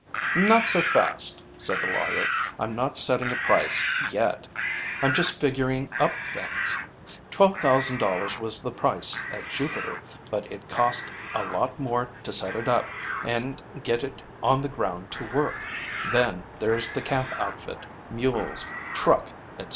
"Not so fast," said the lawyer. "I'm not setting a price yet. I'm just figuring up things. Twelve thousand dollars was the price at Jupiter, but it cost a lot more to set it up and get it on the ground to work; then, there's the camp outfit, mules, truck, etc.